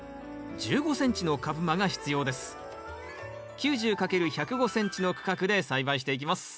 ９０×１０５ｃｍの区画で栽培していきます。